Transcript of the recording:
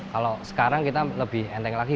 kalau sekarang kita lebih enteng lagi